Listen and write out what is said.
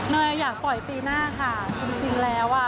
อยากปล่อยปีหน้าค่ะจริงแล้วอ่ะ